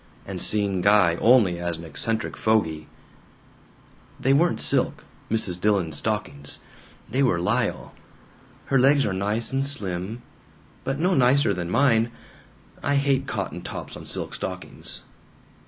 And seeing Guy only as an eccentric fogy. "They weren't silk, Mrs. Dillon's stockings. They were lisle. Her legs are nice and slim. But no nicer than mine. I hate cotton tops on silk stockings.